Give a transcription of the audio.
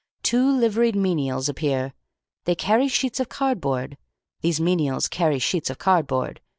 Two liveried menials appear. They carry sheets of cardboard. These menials carry sheets of cardboard.